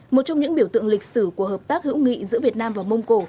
một trong những biểu tượng lịch sử của hợp tác hữu nghị giữa việt nam và mông cổ